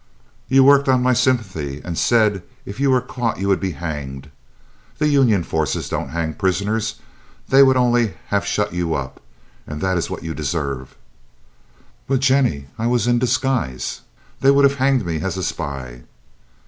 "You worked on my sympathy, and said if you were caught you would be hanged. The Union forces don't hang prisoners. They would only have shut you up, and that is what you deserve." "But, Jennie, I was in disguise; they would have hanged me as a spy."